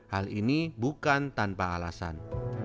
hal ini bukan tanpa alasan